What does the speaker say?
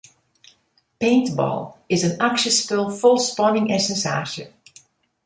Paintball is in aksjespul fol spanning en sensaasje.